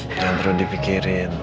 jangan terlalu dipikirin